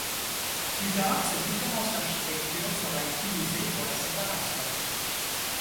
Plus tard, cette différence d'architecture sera utilisée pour la séparation.